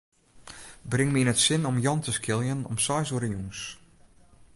Bring my yn it sin om Jan te skiljen om seis oere jûns.